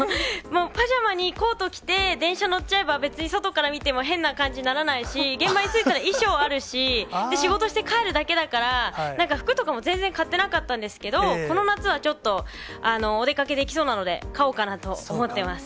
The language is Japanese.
パジャマにコートを着て、電車乗っちゃえば、別に外から見ても変な感じにならないし、現場に着いたら衣装あるし、仕事して帰るだけだから、なんか服とかも全然買ってなかったんですけど、この夏はちょっとお出かけできそうなので、買おうかなと思ってます。